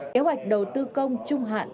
kế hoạch đầu tư công trung hạn